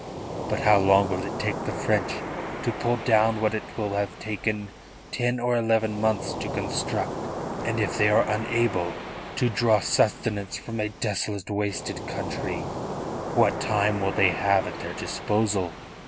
But how long will it take the French to pull down what it will have taken ten or eleven months to construct? And if they are unable to draw sustenance from a desolate, wasted country, what time will they have at their disposal?